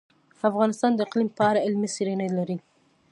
افغانستان د اقلیم په اړه علمي څېړنې لري.